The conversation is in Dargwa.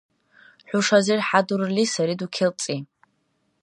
ХӀушазир хӀядурли сари дукелцӀи.